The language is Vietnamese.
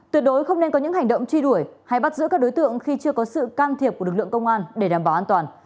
tuyệt đối không nên có những hành động truy đuổi hay bắt giữ các đối tượng khi chưa có sự can thiệp của lực lượng công an để đảm bảo an toàn